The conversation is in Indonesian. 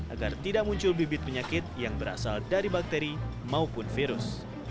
agar tidak muncul bibit penyakit yang berasal dari bakteri maupun virus